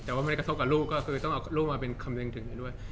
แต่ว่าไม่ได้กระทบกับลูกก็คือต้องเอาลูกมาเป็นคำนึงถึงกันด้วย